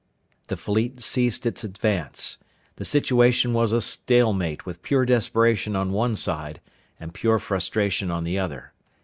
The fleet ceased its advance. The situation was a stalemate with pure desperation on one side and pure frustration on the other.